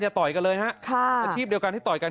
อย่าต่อยกันเลยนะอาชีพเดียวกันที่ต่อยกัน